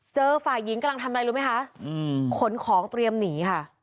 ฝ่ายหญิงกำลังทำอะไรรู้ไหมคะขนของเตรียมหนีค่ะ